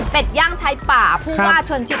เป็ดย่างใช้ป่าภูวาชวนชิด